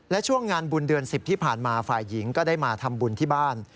และช่วงงานบุญเดือน๑๐ที่ผ่านมาฝ่ายหญิงก็ได้มาทำบุญที่บ้าน